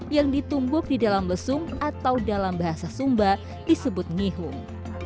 yang ditumbuk di dalam lesung atau dalam bahasa sumba disebut nihung